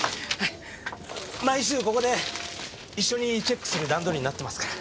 毎週ここで一緒にチェックする段取りになってますから。